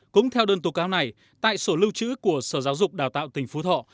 cũng theo đơn tố cáo này tại sổ lưu trữ của sở giáo dục đào tạo tỉnh phú thọ